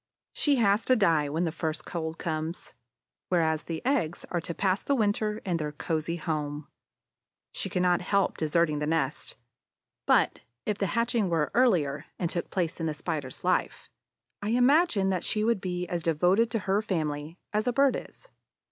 She has to die when the first cold comes, whereas the eggs are to pass the winter in their cozy home. She cannot help deserting the nest. But, if the hatching were earlier and took place in the Spider's life, I imagine that she would be as devoted to her family as a Bird is.